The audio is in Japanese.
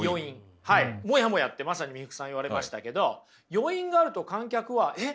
モヤモヤってまさに三福さん言われましたけど余韻があると観客は「え？